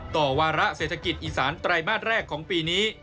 วาระเศรษฐกิจอีสานไตรมาสแรกของปีนี้